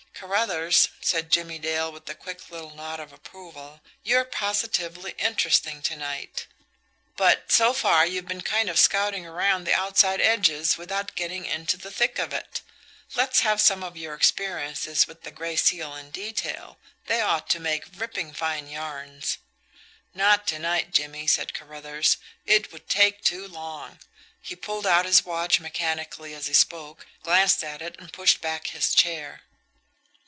"Carruthers," said Jimmy Dale, with a quick little nod of approval, "you're positively interesting to night. But, so far, you've been kind of scouting around the outside edges without getting into the thick of it. Let's have some of your experiences with the Gray Seal in detail; they ought to make ripping fine yarns." "Not to night, Jimmie," said Carruthers; "it would take too long." He pulled out his watch mechanically as he spoke, glanced at it and pushed back his chair.